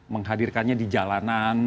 menghadirkannya di jalanan